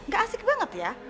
gak asik banget ya